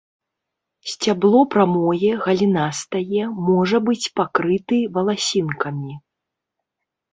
Сцябло прамое, галінастае, можа быць пакрыты валасінкамі.